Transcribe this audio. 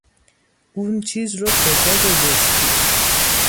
اون چیز رو کجا گذاشتی؟